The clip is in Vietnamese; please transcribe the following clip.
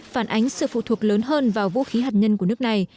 phản ánh sự phụ thuộc lớn hơn vào vũ khí hạt nhân của nước này